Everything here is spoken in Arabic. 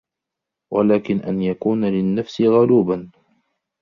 وَلَكِنْ أَنْ يَكُونَ لِلنَّفْسِ غَلُوبًا